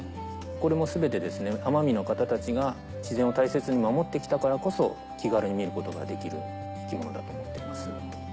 これも全て奄美の方たちが自然を大切に守って来たからこそ気軽に見ることができる生き物だと思っています。